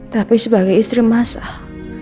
tapi sebagai istri mas al